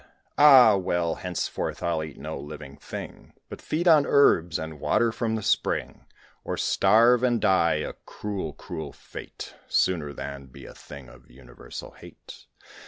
Ah! well, henceforth I'll eat no living thing, But feed on herbs, and water from the spring; Or starve and die a cruel, cruel fate Sooner than be a thing of universal hate."